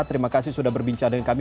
terima kasih sudah berbincang dengan kami